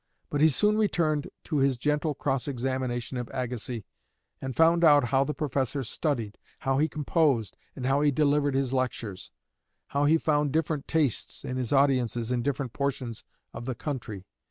But he soon returned to his gentle cross examination of Agassiz, and found out how the Professor studied, how he composed, and how he delivered his lectures; how he found different tastes in his audiences in different portions of the country.